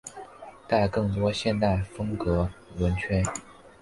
带更多现代风格轮圈。